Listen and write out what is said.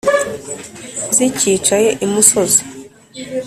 Zicyicaye imusozi